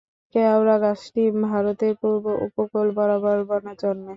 কেওড়া গাছটি ভারতের পূর্ব উপকূল বরাবর বনে জন্মে।